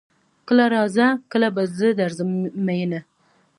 کله راځه کله به زه درځم ميينه